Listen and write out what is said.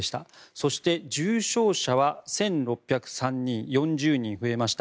そして、重症者は１６０３人４０人増えました。